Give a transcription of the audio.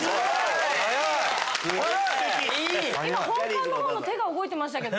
今本館のほうの手が動いてましたけど。